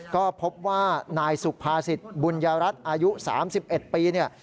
ก็พบว่านายสุขภาษิตบุญญารัฐอายุ๓๑ปี